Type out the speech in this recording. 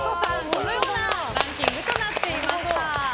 このようなランキングとなっていました。